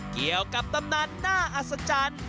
เกี่ยวกับตำนานน่าอัศจรรย์